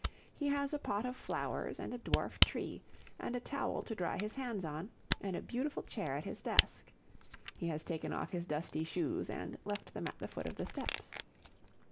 He has a pot of flowers and a dwarf tree, and a towel to dry his hands on, and a beautiful chair at his desk. He has taken off his dusty shoes and left them at the foot of the steps.